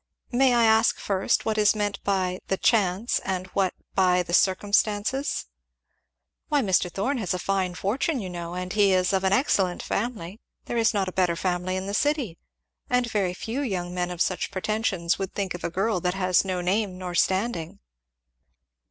"May I ask, first, what is meant by the 'chance' and what by the 'circumstances.'" "Why Mr. Thorn has a fine fortune, you know, and he is of an excellent family there is not a better family in the city and very few young men of such pretensions would think of a girl that has no name nor standing."